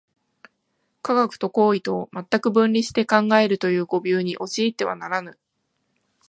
科学と行為とを全く分離して考えるという誤謬に陥ってはならぬ。